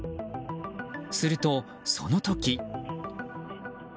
すると、その時。